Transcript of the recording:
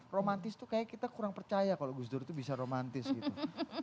romantis itu kayaknya kita kurang percaya kalau gus dur itu bisa romantis gitu